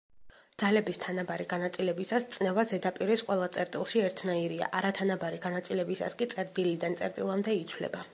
ძალების თანაბარი განაწილებისას წნევა ზედაპირის ყველა წერტილში ერთნაირია, არათანაბარი განაწილებისას კი წერტილიდან წერტილამდე იცვლება.